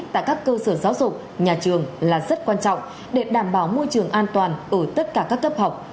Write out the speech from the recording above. tại các cơ sở giáo dục nhà trường là rất quan trọng để đảm bảo môi trường an toàn ở tất cả các cấp học